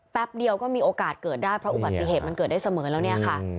แป๊บเดียวก็มีโอกาสเกิดได้เพราะอุบัติเหตุมันเกิดได้เสมอแล้วเนี่ยค่ะ